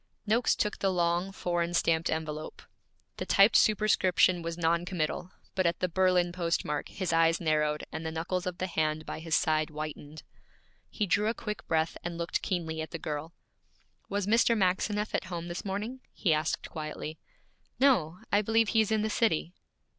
Noakes took the long, foreign stamped envelope. The typed superscription was noncommittal, but at the Berlin postmark his eyes narrowed and the knuckles of the hand by his side whitened. He drew a quick breath and looked keenly at the girl. 'Was Mr. Maxineff at home this morning?' he asked quietly. 'No; I believe he is in the city.'